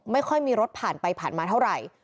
ไม่ค่อยมีรถผ่านไปผ่านมาเท่าไหร่